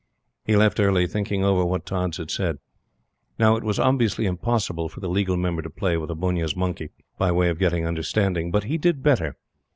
He left early, thinking over what Tods had said. Now, it was obviously impossible for the Legal Member to play with a bunnia's monkey, by way of getting understanding; but he did better.